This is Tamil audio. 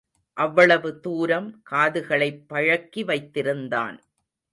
அவ்வளவு தூரம் காதுகளைப் பழக்கி வைத்திருந்தான்.